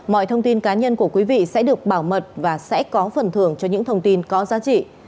mọi thông tin cá nhân của quý vị sẽ được bảo mật và sẽ có phần thưởng cho những thông tin có giá trị